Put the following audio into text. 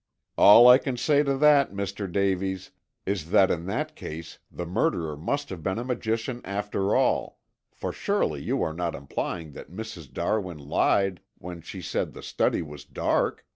"All I can say to that, Mr. Davies, is that in that case the murderer must have been a magician after all, for surely you are not implying that Mrs. Darwin lied when she said the study was dark?"